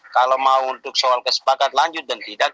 kalau mau untuk soal kesepakat lanjut dan tidak